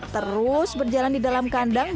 terus berjalan di dalam kandang